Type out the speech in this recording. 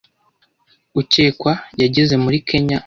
ukekwa yageze muri Kenya